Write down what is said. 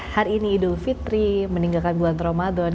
hari ini idul fitri meninggalkan bulan ramadan